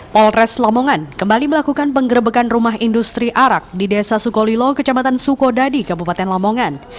polres lamongan kembali melakukan penggerbekan rumah industri arak di desa sukolilo kecamatan sukodadi kabupaten lamongan